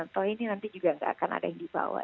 toh ini nanti juga nggak akan ada yang dibawa